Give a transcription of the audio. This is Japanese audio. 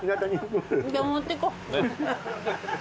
じゃあ持ってこう。